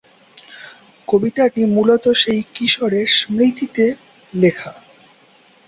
কবিতাটি মূলত সেই কিশোরের স্মৃতিতে লেখা।